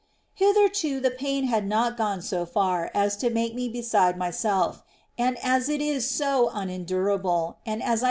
Hitherto the pain had not gone so far as to make me beside myself; and as it is so unendurable, and as I retained the ^ S.